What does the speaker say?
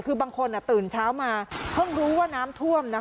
คือบางคนตื่นเช้ามาเพิ่งรู้ว่าน้ำท่วม